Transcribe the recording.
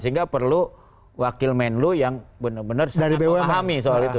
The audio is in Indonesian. sehingga perlu wakil menlu yang benar benar memahami soal itu